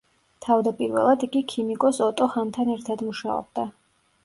თავდაპირველად, იგი ქიმიკოს ოტო ჰანთან ერთად მუშაობდა.